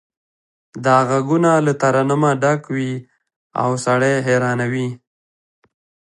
دا غږونه له ترنمه ډک وي او سړی حیرانوي